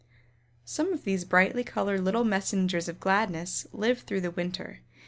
Some of these brightly colored little messengers of gladness live through the winter.